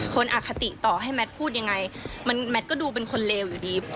คนอคติต่อให้แม่ก็พูดอย่างไรแม่ก็ดูเป็นคนเลวอยู่ดี